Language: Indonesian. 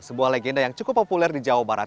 sebuah legenda yang cukup populer di jawa barat